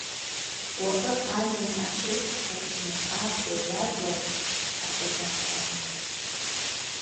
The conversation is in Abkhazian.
Уахык ажәҩан аҽеиԥсхарчны адгьыл иажәларц аҽазнакхьан.